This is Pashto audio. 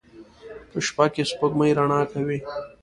په شپه کې سپوږمۍ رڼا کوي